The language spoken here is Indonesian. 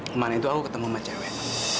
kemarin itu aku ketemu sama cewek